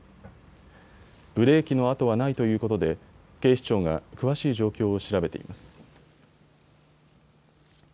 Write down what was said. ブレーキの跡はないということで警視庁が詳しい状況を調べています。